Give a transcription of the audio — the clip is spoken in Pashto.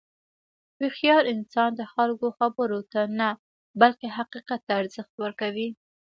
هوښیار انسان د خلکو خبرو ته نه، بلکې حقیقت ته ارزښت ورکوي.